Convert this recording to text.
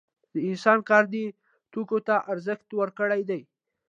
د انسان کار دې توکو ته ارزښت ورکړی دی